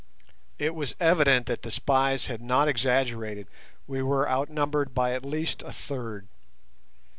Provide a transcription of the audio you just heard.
It was evident that the spies had not exaggerated; we were outnumbered by at least a third.